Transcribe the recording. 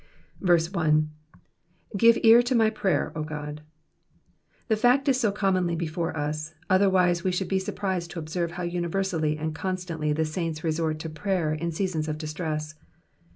1. ^"^Qite ear io my prayer, 0 Gody The fact isso commonly before us, other wise we should be surprised to observe how universally and constantly the saints resort to prayer in seasons of distress.